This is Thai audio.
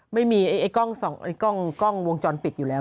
ไม่มีกล้องวงจรปิดอยู่แล้ว